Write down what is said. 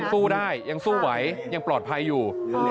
สู้ได้ยังสู้ไหวยังปลอดภัยอยู่